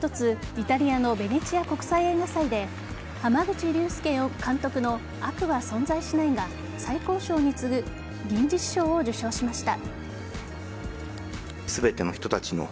イタリアのベネチア国際映画祭で濱口竜介監督の悪は存在しないが最高賞に次ぐ銀獅子賞を受賞しました。